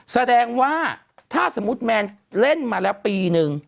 แสดงว่าถ้าสมมุติแมนเล่นมาแล้วปีนึง